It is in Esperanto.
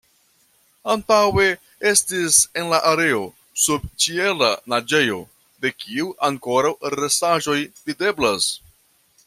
Antaŭe estis en la areo subĉiela naĝejo, de kiu ankoraŭ restaĵoj videblas.